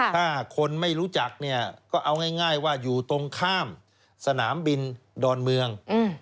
ถ้าคนไม่รู้จักเนี่ยก็เอาง่ายว่าอยู่ตรงข้ามสนามบินดอนเมือง